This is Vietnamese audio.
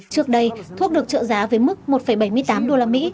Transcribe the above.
trước đây thuốc được trợ giá với mức một bảy mươi tám usd